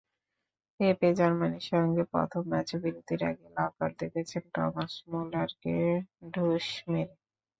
পেপেজার্মানির সঙ্গে প্রথম ম্যাচে বিরতির আগেই লাল কার্ড দেখেছেন টমাস মুলারকে ঢুস মেরে।